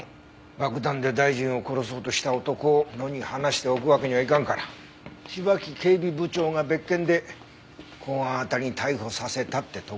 爆弾で大臣を殺そうとした男を野に放しておくわけにはいかんから芝木警備部長が別件で公安辺りに逮捕させたってところかな。